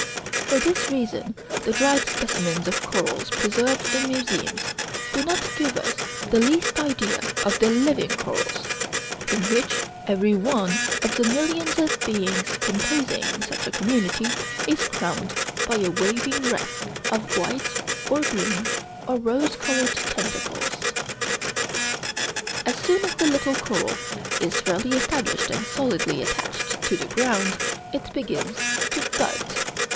For this reason the dried specimens of corals preserved in museums do not give us the least idea of the living corals, in which every one of the millions of beings composing such a community is crowned by a waving wreath of white or green or rose colored tentacles. As soon as the little coral is fairly established and solidly attached to the ground, it begins to bud.